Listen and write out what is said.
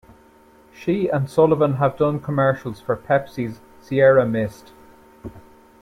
She and Sullivan have done commercials for Pepsi's "Sierra Mist".